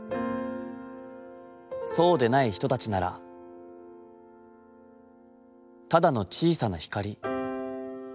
そうでない人たちなら、ただの小さな光。